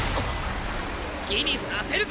好きにさせるか！